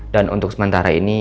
dan untuk sementara ini